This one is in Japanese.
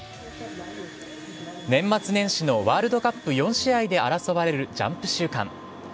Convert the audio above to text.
年末年始のワールドカップ４試合で争われるジャンプ週間。